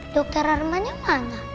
dokter arman yang mana